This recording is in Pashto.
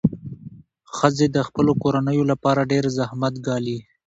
ښځې د خپلو کورنیو لپاره ډېر زحمت ګالي.